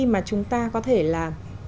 mà chúng ta có thể là